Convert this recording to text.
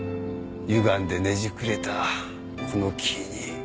歪んでねじくれたこの木に。